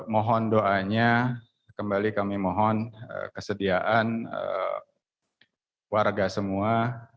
mohon doanya kembali kami mohon kesediaan warga semua